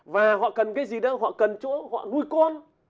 và họ cần cái gì đâu họ cần chỗ họ nuôi con